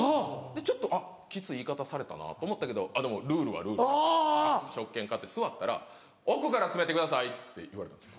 ちょっときつい言い方されたなと思ったけどでもルールはルール食券買って座ったら「奥から詰めてください」って言われたんですよ。